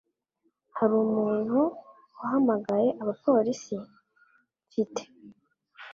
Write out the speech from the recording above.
Hari umuntu wahamagaye abapolisi?" "Mfite)